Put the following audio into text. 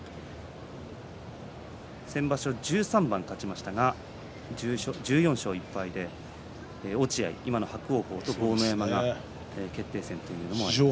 先場所１３番勝ちましたが１４勝１敗で落合、今の伯桜鵬と決定戦ってこともありましたね。